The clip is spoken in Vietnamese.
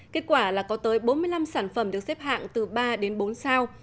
kết quả là có tới bốn mươi năm sản phẩm được xếp hạng từ ba đến bốn sao